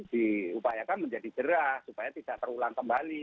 diupayakan menjadi jerah supaya tidak terulang terbali